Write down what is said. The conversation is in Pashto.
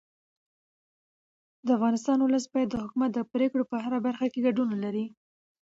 د افغانستان ولس باید د حکومت د پرېکړو په هره برخه کې ګډون ولري